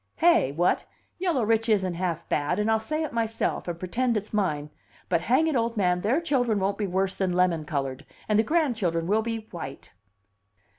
Hey? What? Yellow rich isn't half bad, and I'll say it myself, and pretend it's mine; but hang it, old man, their children won't be worse than lemon colored, and the grandchildren will be white!"